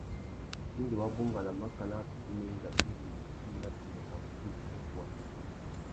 Indi wa bungana makana wa fitimú enga indi nukí na tumu râ waki i bukuwana.